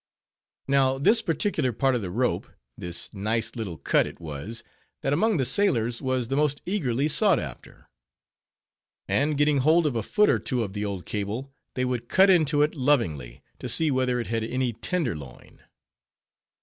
Now, this particular part of the rope, this nice little "cut" it was, that among the sailors was the most eagerly sought after. And getting hold of a foot or two of old cable, they would cut into it lovingly, to see whether it had any _"tenderloin."